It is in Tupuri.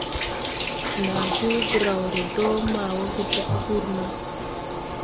Naa hoo graw re do ma wooge daʼ gurna.